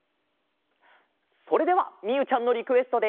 それではみゆちゃんのリクエストで。